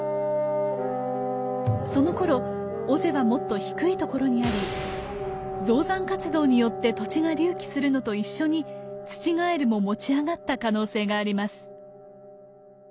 そのころ尾瀬はもっと低いところにあり造山活動によって土地が隆起するのと一緒にツチガエルも持ち上がった可能性があります。